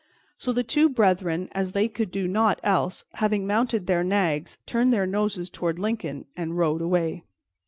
So the two brethren, as they could do nought else, having mounted their nags, turned their noses toward Lincoln and rode away.